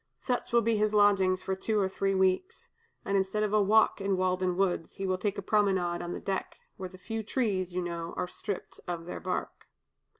Such will be his lodgings for two or three weeks; and instead of a walk in Walden woods, he will take a promenade on deck, where the few trees, you know, are stripped of their bark."